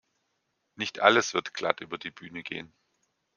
Nicht alles wird glatt über die Bühne gehen.